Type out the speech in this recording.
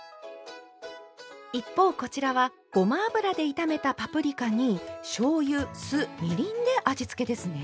一方こちらはごま油で炒めたパプリカにしょうゆ酢みりんで味付けですね。